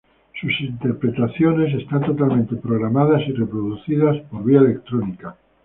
Sus interpretaciones están totalmente programadas y reproducidas por vía electrónica.